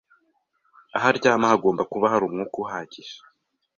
aho aryama hagomba kuba hari umwuka uhagije